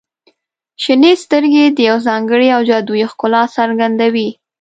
• شنې سترګې د یو ځانګړي او جادويي ښکلا څرګندوي.